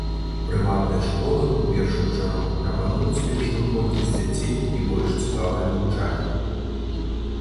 Прыватныя школы ў першую чаргу прапануюць меншую колькасць дзяцей і больш цікавае навучанне.